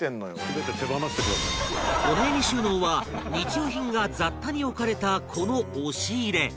お悩み収納は日用品が雑多に置かれたこの押し入れ